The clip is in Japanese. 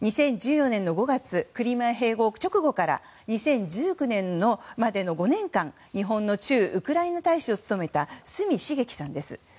２０１４年の５月クリミア併合直後から２０１９年までの５年間日本の駐ウクライナ大使を務めた角茂樹さんです。